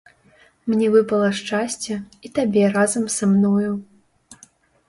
Мне выпала шчасце, і табе разам са мною.